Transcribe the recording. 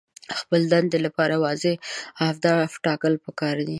د خپلې دندې لپاره واضح اهداف ټاکل پکار دي.